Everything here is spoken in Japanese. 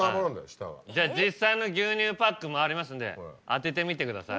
じゃあ実際の牛乳パックもありますんで当ててみてください。